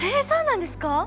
そうなんですか！？